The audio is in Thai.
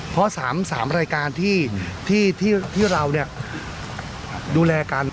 เพราะสามสามรายการที่ที่ที่เราเนี่ยดูแลกัน